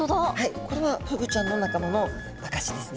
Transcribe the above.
これはフグちゃんの仲間の証しですね。